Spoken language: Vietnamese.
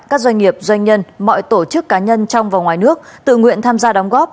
các doanh nghiệp doanh nhân mọi tổ chức cá nhân trong và ngoài nước tự nguyện tham gia đóng góp